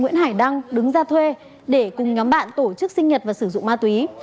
nguyễn hải đăng đứng ra thuê để cùng nhóm bạn tổ chức sinh nhật và sử dụng ma túy